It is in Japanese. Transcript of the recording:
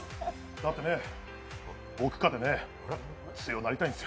だってね、僕かてね、強くなりたいんです。